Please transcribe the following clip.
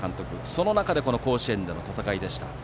その中での甲子園での戦いでした。